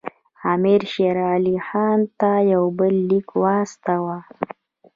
امیر شېر علي خان ته یو بل لیک واستاوه.